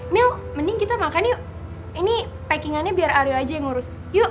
mil mending kita makan yuk ini packingannya biar aryo aja yang ngurus yuk